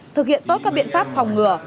thực hiện tốt các biện pháp phòng ngừa